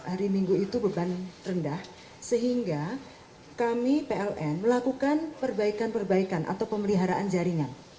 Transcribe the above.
hari minggu itu beban rendah sehingga kami pln melakukan perbaikan perbaikan atau pemeliharaan jaringan